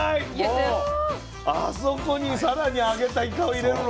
もうあそこに更に揚げたイカを入れるの？